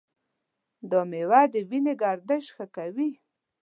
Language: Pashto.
دا میوه د وینې گردش ښه کوي.